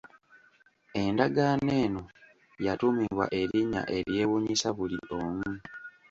Endagaano eno yatuumibwa erinnya eryewuunyisa buli omu.